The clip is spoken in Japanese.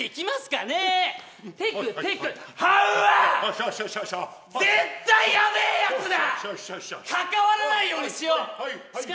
かかわらないようにしよう。